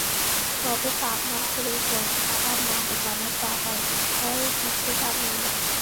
তবে পাবনার পুলিশ বলছে, তারা মারজানের বাবার বিষয়ে কিছু জানে না।